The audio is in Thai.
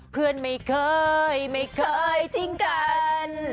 เพื่อนไม่เคยไม่เคยทิ้งกัน